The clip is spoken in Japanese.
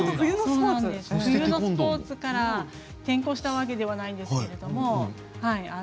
冬のスポーツから転向したわけではないんですけど。